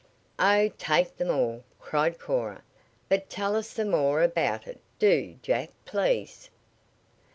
"Oh, take them all!" cried Cora. "But tell us some more about it; do, Jack, please!"